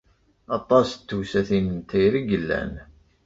Aṭas n tewsatin n tayri i yellan.